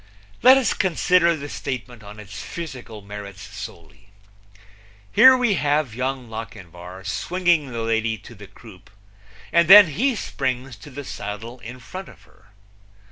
Let us consider the statement on its physical merits solely. Here we have Young Lochinvar swinging the lady to the croupe, and then he springs to the saddle in front of her.